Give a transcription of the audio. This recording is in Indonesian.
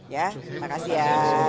ya terima kasih ya